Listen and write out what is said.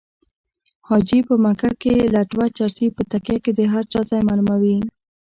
حاجي په مکه کې لټوه چرسي په تکیه کې د هر چا ځای معلوموي